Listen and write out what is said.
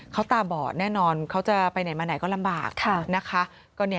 เขาตาบอดแน่นอนเขาจะไปไหนมาไหนก็ลำบากนะคะ